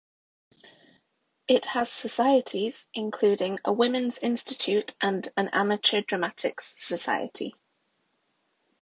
It has societies including a Women's Institute and an amateur dramatics society.